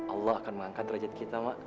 allah akan mengangkat rajad kita ma